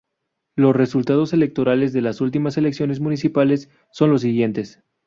Los resultados electorales de las últimas elecciones municipales son los siguientes.